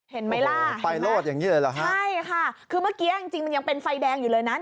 เห็นไหมล่ะใช่ค่ะคือเมื่อกี้จริงมันยังเป็นไฟแดงอยู่เลยนะ